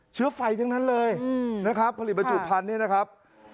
เชื้อไฟทั้งนั้นเลยนะครับผลิตบรรจุพันธุ์เนี่ยนะครับ